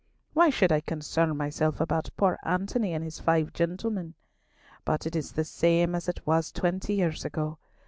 Why should I concern myself about poor Antony and his five gentlemen? But it is the same as it was twenty years ago.